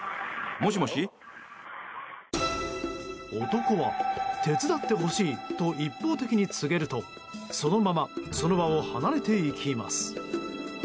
男は、手伝ってほしいと一方的に告げるとそのままその場を離れていきます。